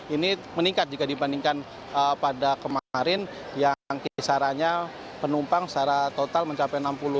ini meningkat jika dibandingkan pada kemarin yang kisarannya penumpang secara total mencapai enam puluh